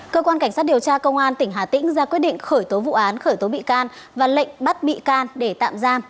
cơ quan cảnh sát điều tra công an tỉnh hà tĩnh ra quyết định khởi tố vụ án khởi tố bị can và lệnh bắt bị can để tạm giam